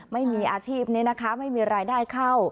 ไม่มีอาชีพไม่มีรายได้เข้า